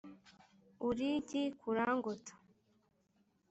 uri igi kurankota